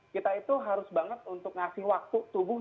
kita itu harus banget untuk ngasih waktu tubuh